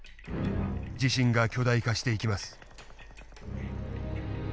地震が巨大化していきます。